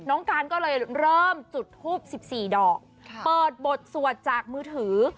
การก็เลยเริ่มจุดทูป๑๔ดอกเปิดบทสวดจากมือถือ